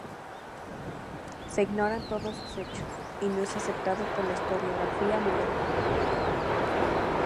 Se ignoran todos sus hechos, y no es aceptado por la historiografía moderna.